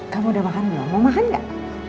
kamu udah makan belum mau makan gak